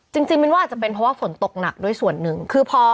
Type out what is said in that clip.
จริงจริงมันว่าอาจจะเป็นเพราะว่าฝนตกหนักด้วยส่วนหนึ่งคือพอ